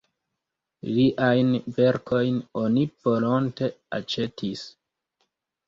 Liajn verkojn oni volonte aĉetis.